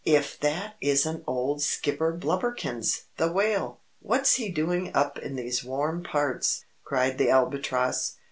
"If that isn't old Skipper Blubberkins, the Whale. What's he doing up in these warm parts?" cried the Albatross.